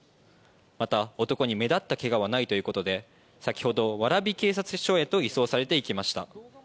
また、男に目立ったけがはないということで先ほど、蕨警察署へと移送されていきました。